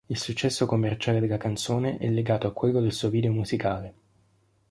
Il successo commerciale della canzone è legato a quello del suo video musicale.